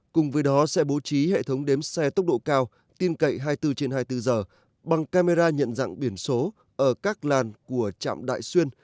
cùng với đó sẽ bố trí hệ thống đếm xe tốc độ cao tin cậy hai mươi bốn trên hai mươi bốn giờ bằng camera nhận dạng biển số ở các làn của trạm đại xuyên